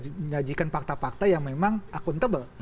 dan menyajikan fakta fakta yang memang akuntabel